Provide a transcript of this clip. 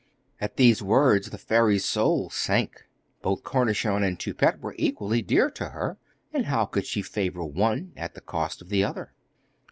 At these words the fairy's soul sank. Both Cornichon and Toupette were equally dear to her, and how could she favour one at the cost of the other?